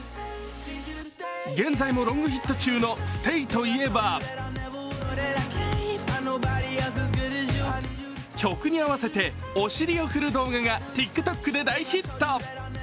現在もロングヒット中の「ＳＴＡＹ」といえば、曲に合わせて、お振りを振る動画がＴｉｋＴｏｋで大ヒット